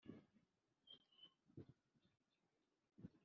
rigakorerwa umwe mu muryango wabo